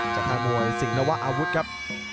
จากท่านมวยสิงฆวะอาวุธครับ